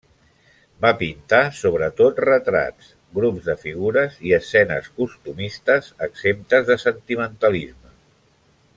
Va pintar sobretot retrats, grups de figures i escenes costumistes exemptes de sentimentalisme.